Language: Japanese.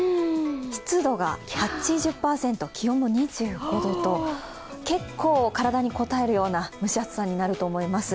湿度が８０％、気温も２５度と結構、体にこたえるような蒸し暑さになると思います。